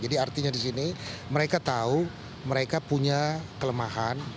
jadi artinya di sini mereka tahu mereka punya kelemahan